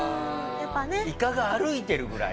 いかが歩いてるぐらい？